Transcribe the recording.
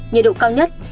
nhiệt độ cao nhất